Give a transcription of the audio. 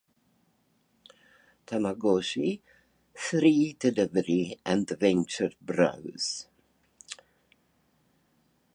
Tamagotchi", "Three Delivery", and "The Venture Bros".